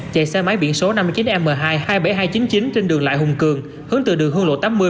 chạy xe máy biển số năm mươi chín m hai hai mươi bảy nghìn hai trăm chín mươi chín trên đường lại hùng cường hướng từ đường hương lộ tám mươi